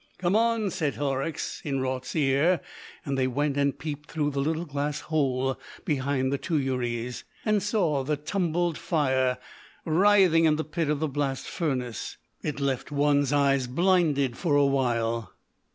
"Come on," said Horrocks in Raut's ear, and they went and peeped through the little glass hole behind the tuyères, and saw the tumbled fire writhing in the pit of the blast furnace. It left one eye blinded for a while.